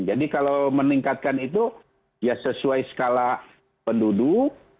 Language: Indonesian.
jadi kalau meningkatkan itu ya sesuai skala penduduk